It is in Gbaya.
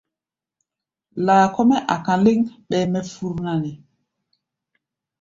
Laa kɔ́-mɛ́ a̧ka̧ léŋ, ɓɛɛ mɛ fur na nde?